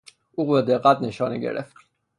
او با دقت نشانه گرفت.